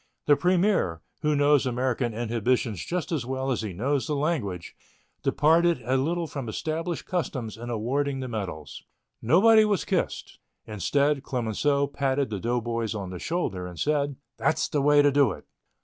The premier, who knows American inhibitions just as well as he knows the language, departed a little from established customs in awarding the medals. Nobody was kissed. Instead Clemenceau patted the doughboys on the shoulder and said: "That's the way to do it."